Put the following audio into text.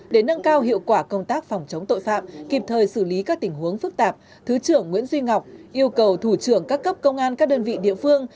để nâng cao hiệu quả công tác phòng chống tội phạm kịp thời xử lý các tình huống phức tạp thứ trưởng nguyễn duy ngọc yêu cầu thủ trưởng các cấp công an các đơn vị địa phương